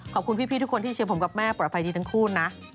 ขอบคุณพี่ทุกคนที่เชียร์ผมกับแม่ปลอดภัยดีทั้งคู่นะ